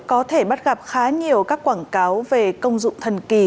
có thể bắt gặp khá nhiều các quảng cáo về công dụng thần kỳ